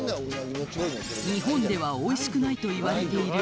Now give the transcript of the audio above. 日本ではおいしくないといわれている